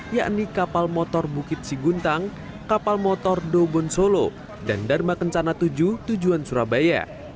yakni kapal motor bukit siguntang kapal motor dobon solo dan dharma kencana tujuh tujuan surabaya